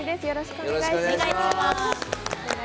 よろしくお願いします。